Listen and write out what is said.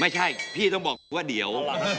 ไม่ใช่พี่ต้องบอกว่าเดี๋ยว